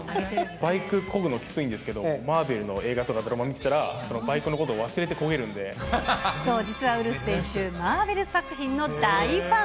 バイクこぐのきついんですけど、マーベルの映画とかドラマ見てたら、バイクのことを忘れてこげるそう、実はウルフ選手、マーベル作品の大ファン。